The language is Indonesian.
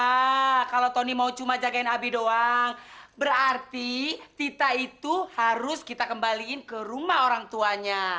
nah kalau tony mau cuma jagain abi doang berarti tita itu harus kita kembaliin ke rumah orang tuanya